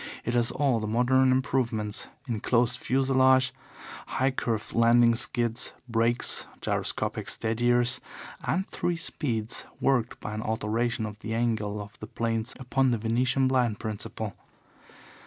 It has all the modern improvements enclosed fuselage, high curved landing skids, brakes, gyroscopic steadiers, and three speeds, worked by an alteration of the angle of the planes upon the Venetian blind principle.